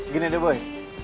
gini deh boy